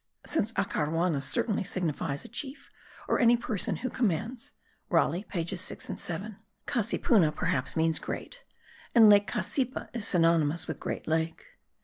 Since acarwana certainly signifies a chief, or any person who commands (Raleigh pages 6 and 7), cassipuna perhaps means great, and lake Cassipa is synonymous with great lake.